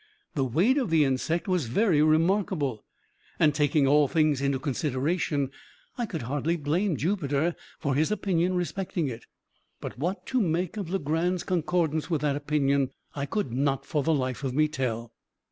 The weight of the insect was very remarkable, and, taking all things into consideration, I could hardly blame Jupiter for his opinion respecting it; but what to make of Legrand's concordance with that opinion, I could not, for the life of me, tell.